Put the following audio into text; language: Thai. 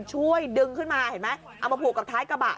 ช่วยดึงขึ้นมาเห็นไหมเอามาผูกกับท้ายกระบะ